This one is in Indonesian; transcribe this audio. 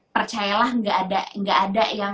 percayalah gak ada yang